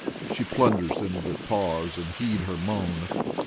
She plunders them that pause and heed her moan.